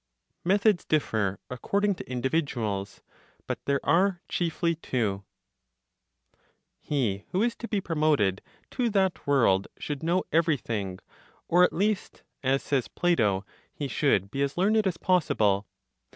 METHODS DIFFER ACCORDING TO INDIVIDUALS; BUT THERE ARE CHIEFLY TWO. He who is to be promoted to that world should know everything, or at least, as says (Plato), he should be as learned as possible.